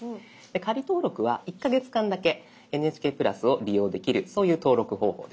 「仮登録」は１か月間だけ「ＮＨＫプラス」を利用できるそういう登録方法です。